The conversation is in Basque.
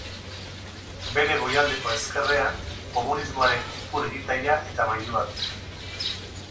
Bere goialdeko ezkerrean komunismoaren ikur igitaia eta mailua du.